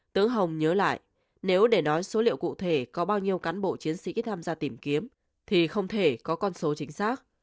tớ hồng nhớ lại nếu để nói số liệu cụ thể có bao nhiêu cán bộ chiến sĩ tham gia tìm kiếm thì không thể có con số chính xác